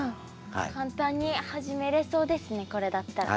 簡単に始めれそうですねこれだったら。